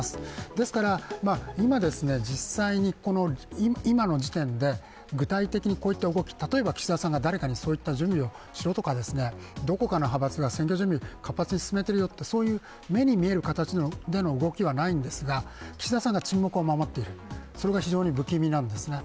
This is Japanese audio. ですから今、実際に今の時点で具体的にこういった動き、例えば岸田さんが誰かにそういった準備をしろとかどこかの派閥が選挙準備を活発に始めてるよというそういう目に見える活発な動きはないんですが、岸田さんが沈黙を守っている、それが非常に不気味なんですよね。